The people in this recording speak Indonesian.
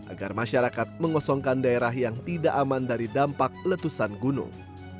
agar masyarakat mengosongkan daerah yang tidak aman dari dampak letusan gunung